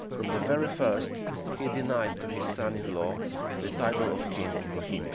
From the very first, he denied to his son in law the title of king of Bohemia.